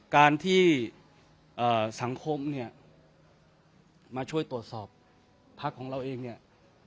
การที่สังคมเนี่ยมาช่วยตรวจสอบพักของเราเองเนี่ย